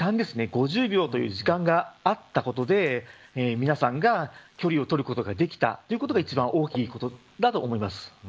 ５０秒という時間があったことで皆さんが距離を取ることができたということが一番大きいと思います。